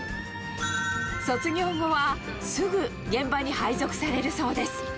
卒業後はすぐ現場に配属されるそうです。